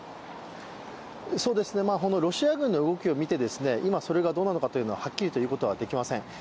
ロシア軍の動きを見て、今それがどうなのかということをはっきりと言うことはできません。